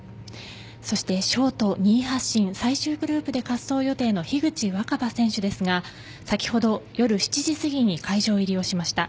そしてショート２位発進最終グループで滑走の樋口新葉選手ですが先ほど夜７時すぎに会場入りをしました。